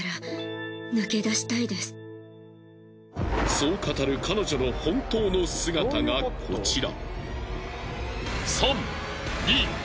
そう語る彼女の本当の姿がこちら。